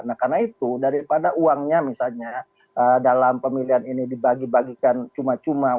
nah karena itu daripada uangnya misalnya dalam pemilihan ini dibagi bagikan cuma cuma